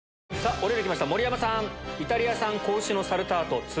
お料理きました盛山さん。